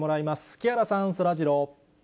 木原さん、そらジロー。